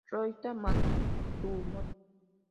Ryota Matsumoto